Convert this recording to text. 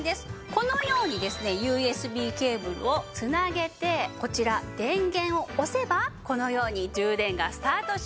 このようにですねＵＳＢケーブルを繋げてこちら電源を押せばこのように充電がスタートします。